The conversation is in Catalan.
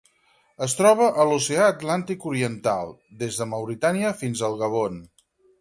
Es troba a l'Oceà Atlàntic oriental: des de Mauritània fins al Gabon.